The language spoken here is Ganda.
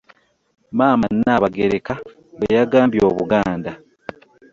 Maama Nnaabagereka bwe yagambye obuganda